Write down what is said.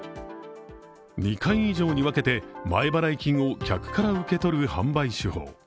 ２回以上に分けて前払い金を客から受け取る販売手法。